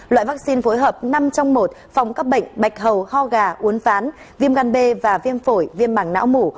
loại vaccine phối hợp năm trong một phòng các bệnh bạch hầu ho gà uốn ván viêm gan b và viêm phổi viêm mảng não mủ